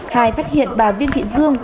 hai phát hiện bà viên thị dương